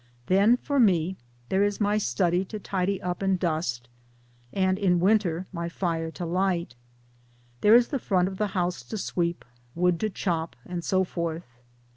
Then, for me, there is my study to tidy up and dust and (in winter) my fire to light ; there is the front of the house to sweep, wood to chop, and so forth.